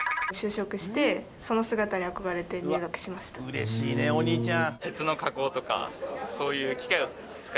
嬉しいねお兄ちゃん。